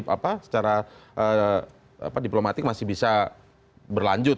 apa secara diplomatik masih bisa berlanjut